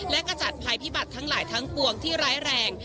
และกระจัดภัยพิบัติทั้งหลายทั้งปวงที่ร้ายแรง